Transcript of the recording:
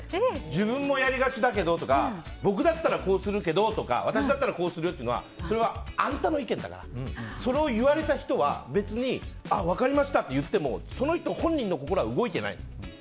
自分もやりがちだけどとか僕だったらこうするけどとか私だったらこうするよとかはそれはあんたの意見だからそれを言われた人は別に、分かりましたって言ってもその人本人の心は動いてない。